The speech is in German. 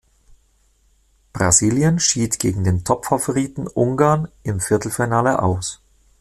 Brasilien schied gegen den Top-Favoriten Ungarn im Viertelfinale aus.